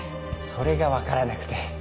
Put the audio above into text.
それがわからなくて。